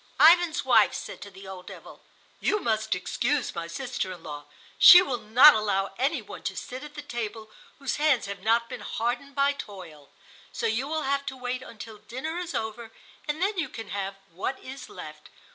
Ivan's wife said to the old devil: "You must excuse my sister in law; she will not allow any one to sit at the table whose hands have not been hardened by toil, so you will have to wait until the dinner is over and then you can have what is left.